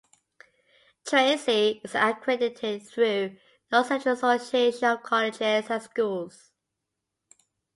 Tri-C is accredited through North Central Association of Colleges and Schools.